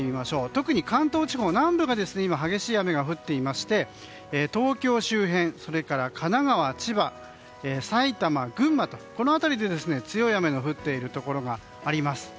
特に関東地方南部が今、激しい雨が降っていまして東京周辺それから神奈川、千葉埼玉、群馬とこの辺りで、強い雨が降っているところがあります。